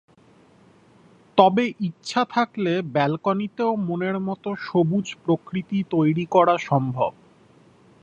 তবে ইচ্ছা থাকলে ব্যালকনিতেও মনের মতো সবুজ প্রকৃতি তৈরি করা সম্ভব।